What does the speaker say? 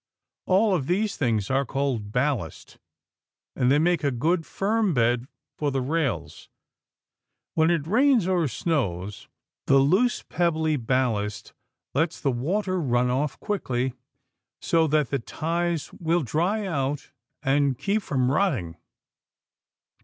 All of these things are called ballast, and they make a good firm bed for the rails. When it rains or snows, the loose pebbly ballast lets the water run off quickly, so that the ties will dry out and keep from rotting.